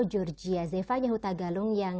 georgia zeva nyahuta galung yang